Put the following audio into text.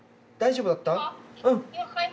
大丈夫だった？